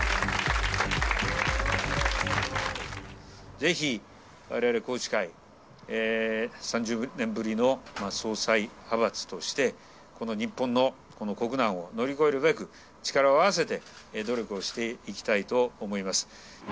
ぜひわれわれ宏池会、３０年ぶりの総裁派閥として、この日本の国難を乗り越えるべく、力を合わせて努力をしていきたいと思います。